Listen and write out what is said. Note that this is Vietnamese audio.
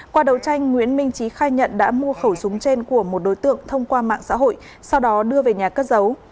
qua đầu tranh nguyễn minh trí khai nhận đã mua khẩu súng trên của một đối tượng thông qua mạng xã hội sau đó đưa về nhà cất giấu